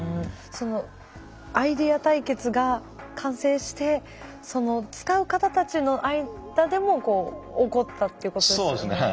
そのアイデア対決が完成してその使う方たちの間でも起こったってことですよね。